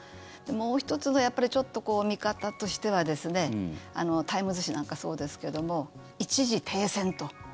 もう１つのやっぱりちょっと見方としてはタイムズ紙なんかそうですけども一時停戦と。